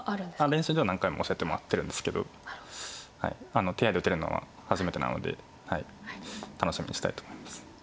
練習では何回も教えてもらってるんですけど手合で打てるのは初めてなので楽しみにしたいと思います。